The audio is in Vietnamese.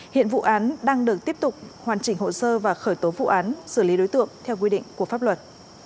hiện vụ án đang được tiếp tục hoàn chỉnh hồ sơ và khởi tố vụ án xử lý đối tượng theo quy định của pháp luật